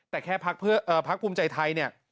แต่แค่ภักษ์ภูมิใจไทย